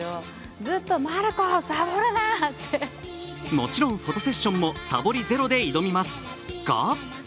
もちろん、フォトセッションもさぼりゼロで挑みます、が。